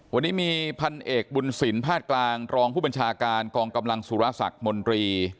วันนี้มีพันเอกบุญสินภาคกลางรองผู้บัญชาการกองกำลังสุรศักดิ์มนตรี